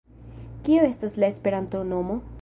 - Kio estas la Esperanto-nomo?